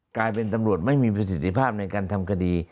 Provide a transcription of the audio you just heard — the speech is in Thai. กลายเป็นตำรวจไม่มีประสิทธิภาพในการทำคดี